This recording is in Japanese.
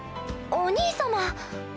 お兄様！